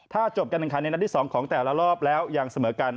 ถ้าจบการแข่งขันในนัดที่๒ของแต่ละรอบแล้วยังเสมอกัน